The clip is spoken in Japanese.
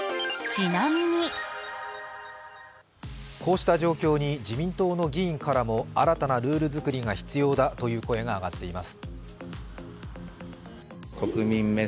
こうした状況に自民党の議員からも新たなルール作りが必要だという声が上がっています。